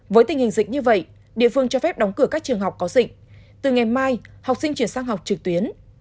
với tình hình dịch như vậy địa phương cho phép đóng cửa các trường học có dịch từ ngày mai học sinh chuyển sang học trực tuyến